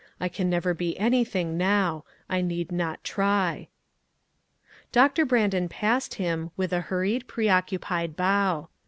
I can never be anything now ; I need not try." Doctor Brandon passed him, with a hur ried, preoccupied bow.